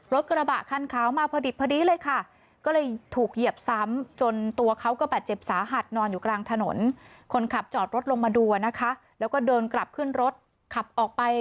รถกระบะขั้นเค้ามาพอดิบพอดีเลยค่ะ